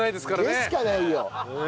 でしかないよ。